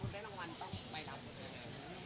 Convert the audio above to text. ถ้าคุณได้รางวัลต้องไปหลังไหนครับ